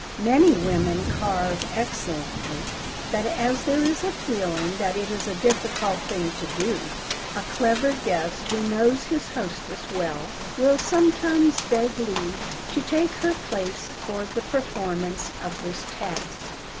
Many women carve excellently, but as there is a feeling that it is a difficult thing to do, a clever guest who knows his hostess well, will sometimes beg leave to take her place for the performance of this task.